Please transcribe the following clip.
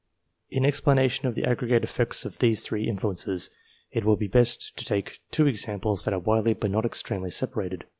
In explanation of the aggregate effect of these three influences, it will be best to take two examples that are widely but not extremely separated.